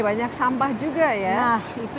banyak sampah juga ya nah itu